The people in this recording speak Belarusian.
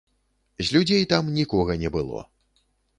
З людзей там нікога не было.